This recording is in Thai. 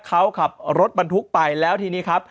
เขาขับรถบรรทุกไปแล้วทีนี้ครับ